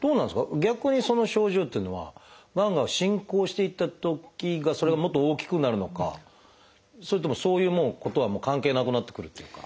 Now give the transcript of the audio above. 逆にその症状っていうのはがんが進行していったときがそれがもっと大きくなるのかそれともそういうことは関係なくなってくるというか。